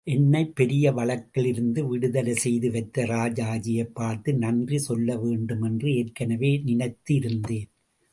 என்னைப் பெரிய வழக்கிலிருந்து விடுதலைசெய்து வைத்த ராஜாஜியைப் பார்த்து நன்றி சொல்லவேண்டும் என்று ஏற்கனவே நினைத்து இருந்தேன்.